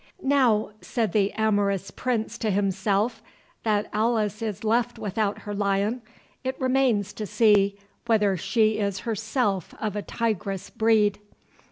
"Now," said the amorous Prince to himself, "that Alice is left without her lion, it remains to see whether she is herself of a tigress breed.